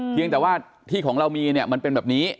เพียงแต่ว่าที่ของเรามีเนี่ยมันเป็นแบบนี้